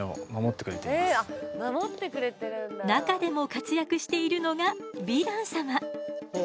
中でも活躍しているのがヴィラン様。